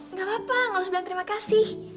oh gak apa apa gak usah bilang terima kasih